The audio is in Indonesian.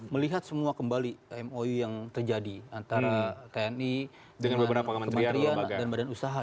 melihat semua kembali mou yang terjadi antara tni dengan beberapa kementerian dan badan usaha